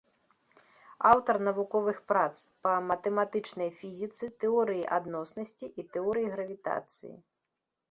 Аўтар навуковых прац па матэматычнай фізіцы, тэорыі адноснасці і тэорыі гравітацыі.